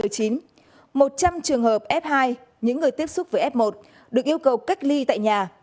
một trăm linh trường hợp f hai những người tiếp xúc với f một được yêu cầu cách ly tại nhà